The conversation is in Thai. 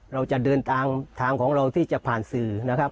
เราจะเดินทางทางของเราที่จะผ่านสื่อนะครับ